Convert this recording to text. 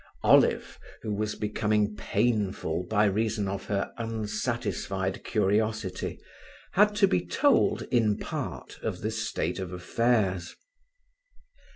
Olive, who was becoming painful by reason of her unsatisfied curiosity, had to be told in part of the state of affairs.